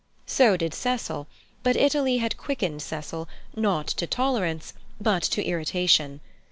So did Cecil; but Italy had quickened Cecil, not to tolerance, but to irritation.